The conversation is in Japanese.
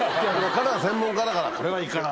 彼は専門家だから。